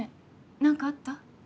何かあった？